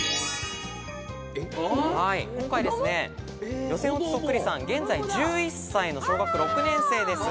今回は予選落ちそっくりさん、現在１１歳の小学６年生です。